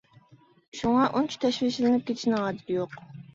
شۇڭا ئۇنچە تەشۋىشلىنىپ كېتىشنىڭ ھاجىتى يوق.